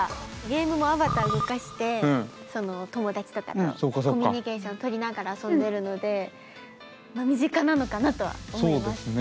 ゲームもアバター動かして友達とかとコミュニケーションとりながら遊んでるのでまあ身近なのかなとは思います。